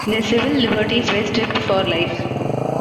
Their civil liberties were stripped for life.